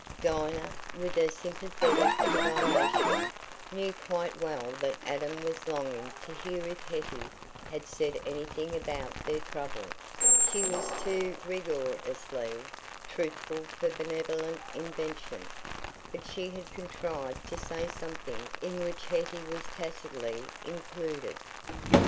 Dinah, with her sympathetic divination, knew quite well that Adam was longing to hear if Hetty had said anything about their trouble; she was too rigorously truthful for benevolent invention, but she had contrived to say something in which Hetty was tacitly included.